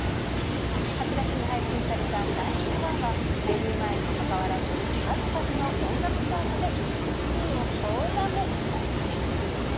８月に配信されたＳｈｉｎｉｎｇＯｎｅは、デビュー前にもかかわらず、数々の音楽チャートで１位を総なめ。